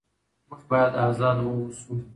موږ باید ازاد واوسو.